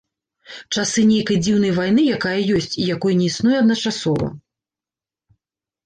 Часы нейкай дзіўнай вайны, якая ёсць, і якой не існуе адначасова.